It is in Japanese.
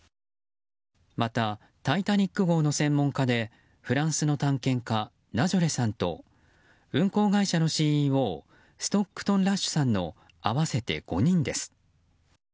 また、「タイタニック号」の専門家でフランスの探検家ナジョレさんと運航会社のＣＥＯストックトン・ラッシュさんの合わせて５人です。